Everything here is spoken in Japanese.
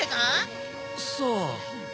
さあ。